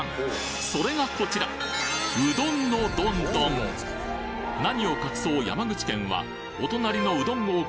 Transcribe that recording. それがこちら何を隠そう山口県はお隣のうどん王国